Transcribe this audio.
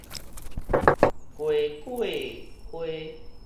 雞冠花